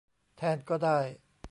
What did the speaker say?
แทนก็ได้